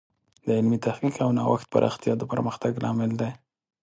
د علمي تحقیق او نوښت پراختیا د پرمختګ لامل دی.